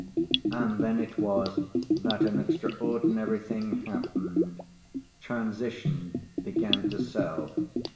And then it was that an extraordinary thing happened "Transition" began to sell.